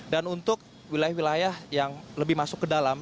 dan untuk wilayah wilayah yang lebih masuk ke dalam